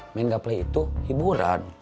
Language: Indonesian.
main gaples itu hiburan